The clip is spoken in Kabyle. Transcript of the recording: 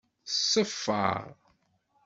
Tṣeffer.